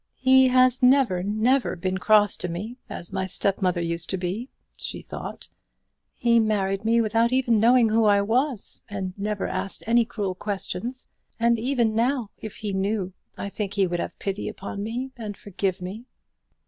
"He has never, never been cross to me, as my step mother used to be," she thought; "he married me without even knowing who I was, and never asked any cruel questions; and even now, if he knew, I think he would have pity upon me and forgive me."